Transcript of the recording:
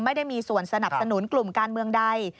ไม่ได้มีส่วนสนับสนุนกลุ่มการเมืองใด